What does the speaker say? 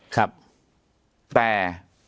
ครับแต่